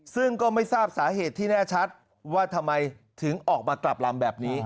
ซึ่งก็ไม่ทราบสาเหตุที่แน่ชัดว่าทำไมถึงออกมากลับลำแบบนี้